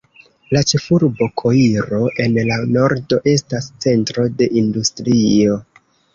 La ĉefurbo Koiro en la nordo estas centro de industrio.